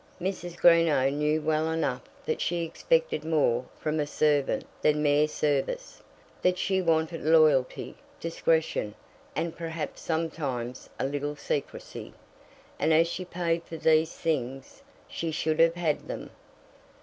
Mrs. Greenow knew well enough that she expected more from a servant than mere service; that she wanted loyalty, discretion, and perhaps sometimes a little secrecy; and as she paid for these things, she should have had them.